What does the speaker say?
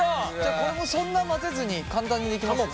これもそんな混ぜずに簡単にできますか？